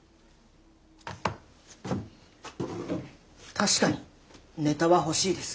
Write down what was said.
確かにネタは欲しいです。